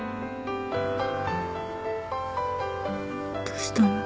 どうしたの？